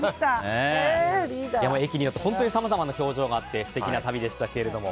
駅によって本当にさまざまな表情があって素敵な旅でしたけども。